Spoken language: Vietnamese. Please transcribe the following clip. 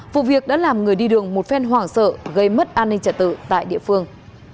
vụ việc đã làm người đi đường một phen hoảng sợ gây mất an ninh trật tự tại địa phương